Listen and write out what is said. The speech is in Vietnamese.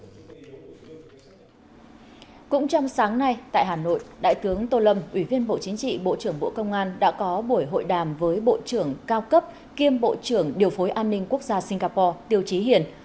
cũng trong sáng nay tại hà nội đại tướng tô lâm ủy viên bộ chính trị bộ trưởng bộ công an đã có buổi hội đàm với bộ trưởng cao cấp kiêm bộ trưởng điều phối an ninh quốc gia singapore tiêu trí hiển